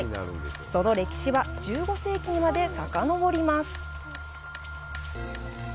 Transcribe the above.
その歴史は１５世紀にまでさかのぼります。